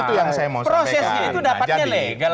prosesnya itu dapatnya legal